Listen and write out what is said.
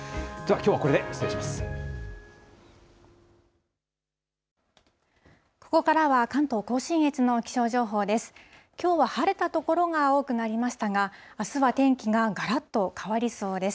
きょうは晴れた所が多くなりましたが、あすは天気ががらっと変わりそうです。